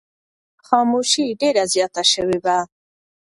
خاموشي ډېره زیاته شوې وه.